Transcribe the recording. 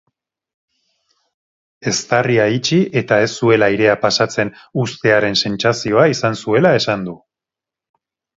Eztarria itxi eta ez zuela airea pasatzen uztearen sentsazioa izan zuela esan du.